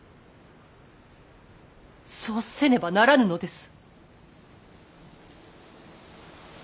そうせねばならぬのです。